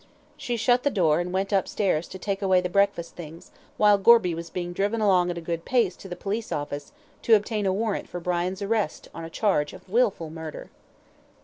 She shut the door, and went upstairs to take away the breakfast things, while Gorby was being driven along at a good pace to the police office, to obtain a warrant for Brian's arrest, on a charge of wilful murder.